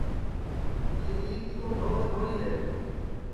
چیلیے کی تو ڈھو ٻدھوڑی ہے